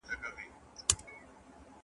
د خلګو په شخصي چارو کي مداخله مه کوئ.